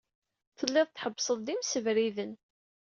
Telliḍ tḥebbseḍ-d imsebriden.